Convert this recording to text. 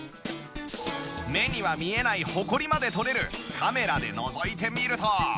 目には見えないホコリまで撮れるカメラでのぞいてみると